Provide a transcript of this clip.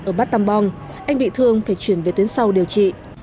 ở bát tâm bong anh bị thương phải chuyển về tuyến sau điều trị